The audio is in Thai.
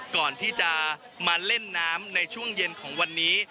ก่อนที่จะมาเล่นน้ำในช่วงเย็นของวันนี้